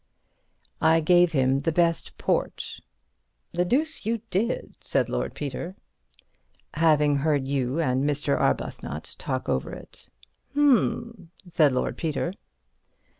I gave him the best old port ("The deuce you did," said Lord Peter), having heard you and Mr. Arbuthnot talk over it. ("Hum!" said Lord Peter.)